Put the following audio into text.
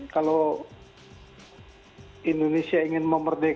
kalau indonesia ingin memerdekat